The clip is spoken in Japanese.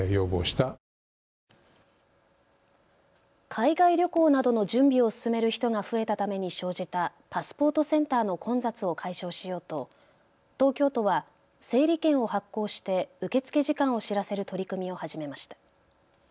海外旅行などの準備を進める人が増えたために生じたパスポートセンターの混雑を解消しようと東京都は整理券を発行して受け付け時間を知らせる取り組みを始めました。